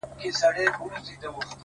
ه شعر كي دي زمـــا اوربــل دی _